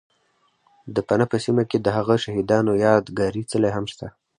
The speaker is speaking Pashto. ، د پنه په سیمه کې دهغو شهید انو یاد گاري څلی هم شته